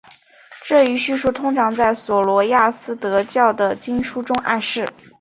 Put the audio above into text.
这一叙述通常在琐罗亚斯德教的经书中暗示。